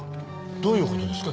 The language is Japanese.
どういう事ですか？